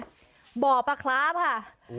บ่อปลาคราฟค่ะ